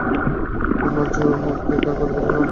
তোমার যে– ওর মুখ দিয়ে আর কথা বেরোল না।